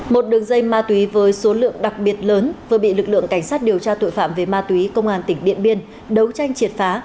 một đường dây ma túy với số lượng đặc biệt lớn vừa bị lực lượng cảnh sát điều tra tội phạm về ma túy công an tỉnh điện biên đấu tranh triệt phá